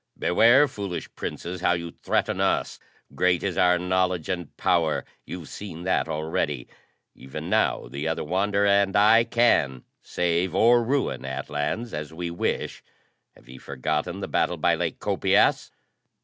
"Beware, foolish Princes, how you threaten us. Great is our knowledge and power: you've seen that already. Even now, the other Wanderer and I can save or ruin Atlans, as we wish! Have ye forgotten the battle by Lake Copias?"